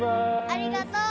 ありがとう。